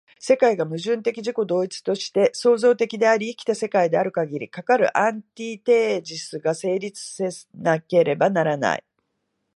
世界が矛盾的自己同一として創造的であり、生きた世界であるかぎり、かかるアンティテージスが成立せなければならない。